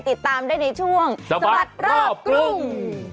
ติดตามได้ในช่วงสวัสดีครอบครึ่ง